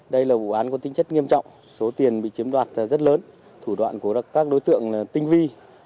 đây là vụ án có tính chất nghiêm trọng số tiền bị chiếm đoạt rất lớn thủ đoạn của các đối tượng tinh vi